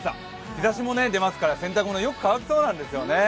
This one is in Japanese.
日ざしも出ますから、洗濯物、よく乾きそうなんですよね。